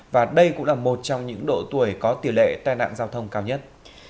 và đây cũng là một trong những độ tuổi có tỷ lệ tai nạn giao thông cao nhất